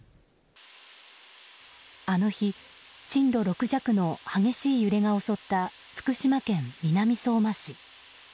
あの日、震度６弱の激しい揺れが襲った福島県南相馬市。